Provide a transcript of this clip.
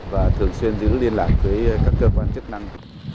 và thường xuyên giữ liên lạc với các cơ quan chức năng